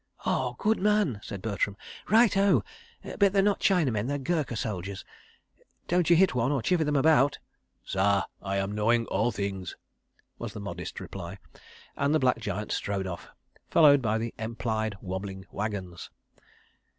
"Oh! Good man!" said Bertram. "Right O! But they're not Chinamen—they are Gurkha soldiers. ... Don't you hit one, or chivvy them about. ..." "Sah, I am knowing all things," was the modest reply, and the black giant strode off, followed by the empiled wobbling waggons.